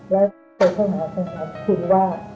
และเข้ามาคุยว่า